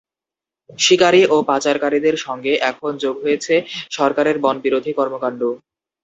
শিকারি ও পাচারকারীদের সঙ্গে এখন যোগ হয়েছে সরকারের বনবিরোধী কর্মকাণ্ড।